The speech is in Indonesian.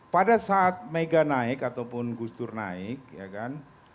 pada saat mega naik ataupun gus dur naik ya kan